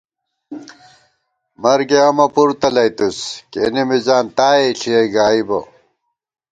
مرگے امہ پُر تلَئیتُوس ، کېنے مِزان تائے ݪِیَئ گائیبہ